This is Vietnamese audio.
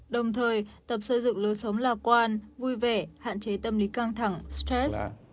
đồng thời tập xây dựng lối sống lạc quan vui vẻ hạn chế tâm lý căng thẳng stress